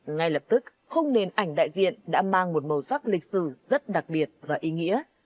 ngay lập tức khung nền ảnh đại diện đã mang một màu sắc lịch sử rất đặc biệt và ý nghĩa